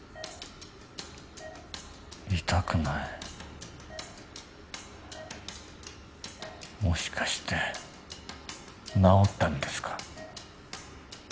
痛くないもしかして治ったんですか？